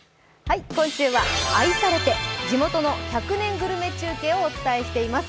今週は愛されて地元の１００年グルメ中継をお伝えしています。